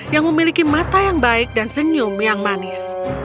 yang memiliki mata yang baik dan senyum yang manis